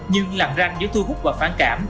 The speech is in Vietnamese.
nhưng lặng ranh giữa thu hút và phản cảm